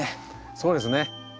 そうですね。